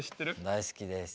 大好きです。